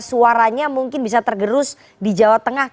suaranya mungkin bisa tergerus di jawa tengah